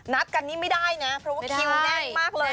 นัดกันนี่ไม่ได้นะเพราะว่าคิวแน่นมากเลย